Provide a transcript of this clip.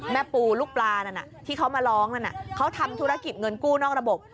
ปูลูกปลานั่นที่เขามาร้องนั้นเขาทำธุรกิจเงินกู้นอกระบบ